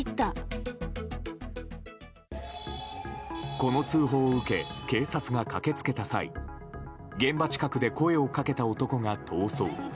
この通報を受け警察が駆けつけた際現場近くで声をかけた男が逃走。